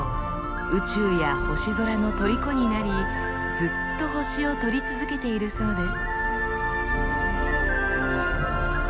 宇宙や星空のとりこになりずっと星を撮り続けているそうです。